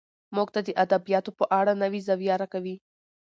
موږ ته د ادبياتو په اړه نوې زاويه راکوي